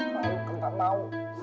malu kenapa mau